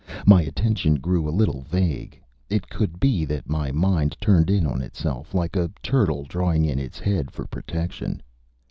My attention grew a little vague. It could be that my mind turned in on itself, like a turtle drawing in its head for protection.